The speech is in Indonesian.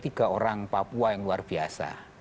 tiga orang papua yang luar biasa